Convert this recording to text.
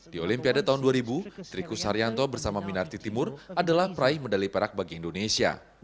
di olimpiade tahun dua ribu triku saryanto bersama minarti timur adalah praih medali perak bagi indonesia